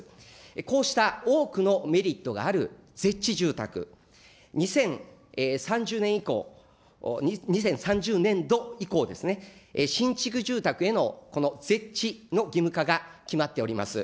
こうした多くのメリットがある設置住宅、２０３０年以降、２０３０年度以降ですね、新築住宅へのこの設置の義務化が決まっております。